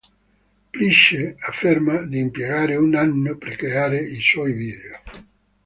Price afferma di impiegare un anno per creare i suoi video.